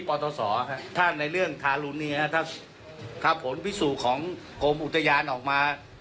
ปรตสอครับถ้าในเรื่องทารุนเนี้ยฮะถ้าผลพิสูของกรมอุตยานออกมา